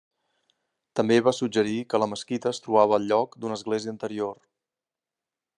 També va suggerir que la mesquita es trobava al lloc d'una església anterior.